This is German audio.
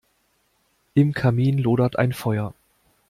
Im Kamin lodert ein Feuer.